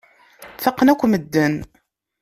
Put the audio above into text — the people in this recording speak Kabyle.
Faqen akk medden.